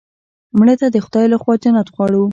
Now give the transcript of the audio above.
مړه ته د خدای له خوا جنت غواړو